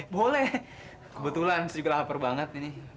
boleh kebetulan saya juga lapar banget